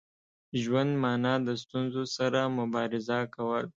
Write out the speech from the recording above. ژوند مانا د ستونزو سره مبارزه کول.